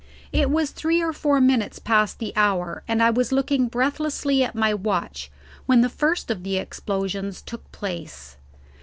It was three or four minutes past the hour and I was looking breathlessly at my watch when the first of the explosions took place.